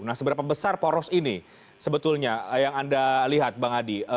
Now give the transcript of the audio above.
nah seberapa besar poros ini sebetulnya yang anda lihat bang adi